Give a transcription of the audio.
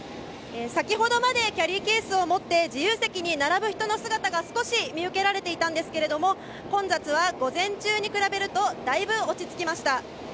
先ほどまでキャリーケースを持って自由席に並ぶ人の姿が少し見受けられていたんですけども、混雑は午前中に比べるとだいぶ落ち着きました。